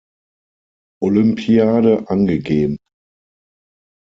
Olympiade angegeben.